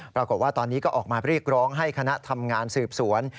ปรากฏว่าตอนนี้ก็ออกมาเรียกร้องให้คณะทำงานสืบสวน